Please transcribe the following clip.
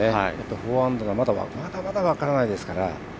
４ラウンド、まだまだ分からないですから。